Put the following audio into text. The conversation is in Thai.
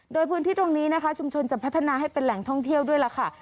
โดยพื้นที่ตรงนี้นะคะชุมชนจะพัฒนาให้เป็นแหล่งท่องเที่ยวด้วยล่ะค่ะ